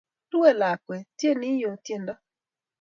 Ruei lakwet, tieni iyoo tiendo